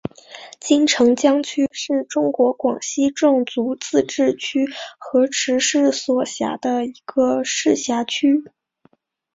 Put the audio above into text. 金城江区是中国广西壮族自治区河池市所辖的一个市辖区。